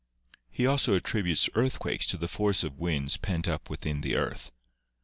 He also attributes earthquakes to the force of winds pent up within the earth.